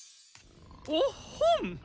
おっほん！